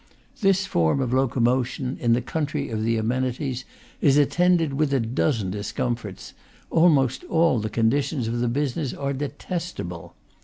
This form of locomotion, in the country of the ameni ties, is attended with a dozen discomforts; almost all the conditions of the business are detestable.